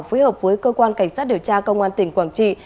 phối hợp với cơ quan cảnh sát điều tra công an tỉnh quảng trị